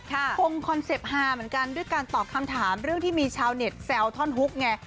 คงคอนเซ็ปต์ฮาเหมือนกันด้วยการตอบคำถามเรื่องที่มีชาวเน็ตแซวท่อนฮุกไง